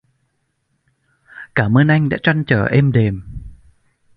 Cảm ơn anh đã trăn trở êm đềm